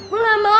gue gak mau